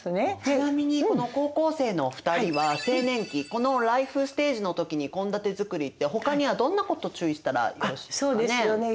ちなみにこの高校生のお二人は青年期このライフステージの時に献立づくりってほかにはどんなこと注意したらよろしいですかね？